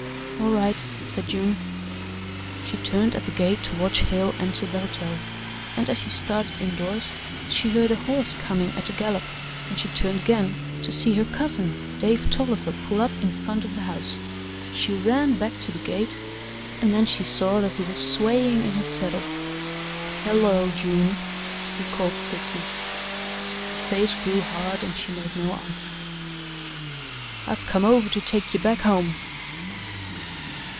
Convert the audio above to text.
"All right," said June. She turned at the gate to watch Hale enter the hotel, and as she started indoors, she heard a horse coming at a gallop and she turned again to see her cousin, Dave Tolliver, pull up in front of the house. She ran back to the gate and then she saw that he was swaying in his saddle. "Hello, June!" he called thickly. Her face grew hard and she made no answer. "I've come over to take ye back home."